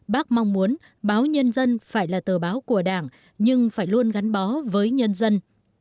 bác mong muốn báo nhân dân phải là tờ báo của đảng nhưng phải luôn gắn bó với nhân dân